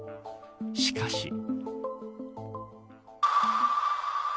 しかし。